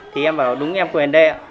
thì em bảo đúng em quyền đây ạ